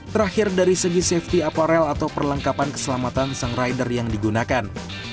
terakhir dari segi safety aparel atau perlengkapan keselamatan sang rider yang digunakan